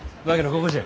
ここじゃ。